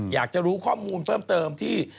อยากจะรู้ข้อมูลเพิ่มเติมที่